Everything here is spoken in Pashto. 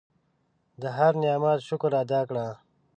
د هر نعمت شکر ادا کړه.